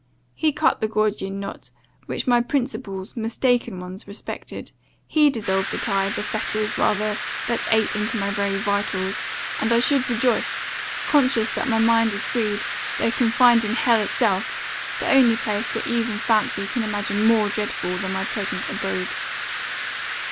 He cut the Gordian knot, which my principles, mistaken ones, respected; he dissolved the tie, the fetters rather, that ate into my very vitals and I should rejoice, conscious that my mind is freed, though confined in hell itself, the only place that even fancy can imagine more dreadful than my present abode.